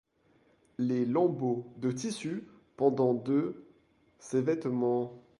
Les lambeaux de tissu pendant de ses vêtements.